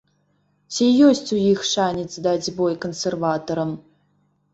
Ці ёсць у іх шанец даць бой кансерватарам?